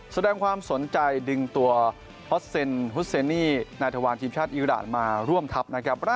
แสดงความสนใจดึงตัวฮอตเซนฮุสเซนี่นายธวานทีมชาติอิดาตมาร่วมทัพนะครับ